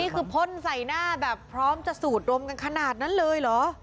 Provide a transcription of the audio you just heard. พ่นใส่หน้าแบบพร้อมจะสูดดมกันขนาดนั้นเลยเหรอ